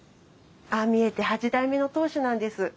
ああ見えて八代目の当主なんです。